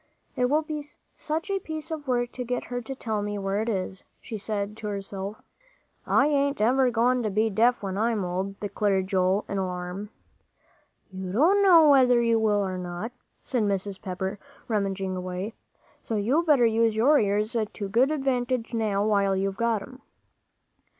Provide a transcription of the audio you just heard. "It will be such a piece of work to get her to tell me where it is," she said to herself. "I ain't ever goin' to be deaf when I'm old," declared Joel, in alarm. "You don't know whether you will or not," said Mrs. Pepper, rummaging away, "so you better use your ears to good advantage now, while you've got 'em."